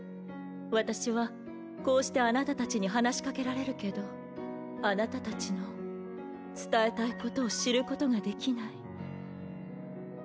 私はこうしてあなたたちに話しかけられるけどあなたたちの伝えたいことを知ることができない。